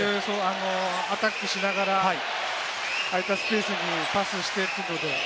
アタックしながら、空いたスペースにパスしてという。